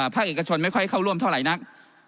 ภาคเอกชนไม่ค่อยเข้าร่วมเท่าไหร่นัก